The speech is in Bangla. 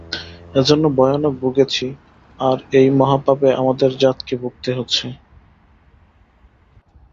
এজন্য ভয়ানক ভুগেছি, আর এই মহাপাপে আমাদের জাতকে ভুগতে হচ্ছে।